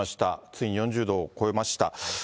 ついに４０度を超えました。